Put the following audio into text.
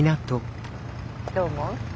どう思う？